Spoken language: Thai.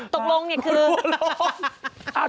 ตกลงอย่างนี้คือกลัวลง